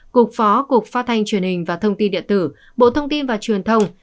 cục phó cục phát thanh truyền hình và thông tin điện tử bộ thông tin và truyền thông